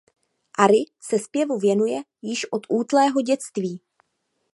Ari se zpěvu věnuje již od útlého dětství.